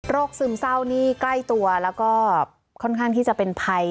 ซึมเศร้านี่ใกล้ตัวแล้วก็ค่อนข้างที่จะเป็นภัย